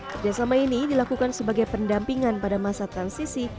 kerjasama ini dilakukan sebagai pendampingan pada masa transisi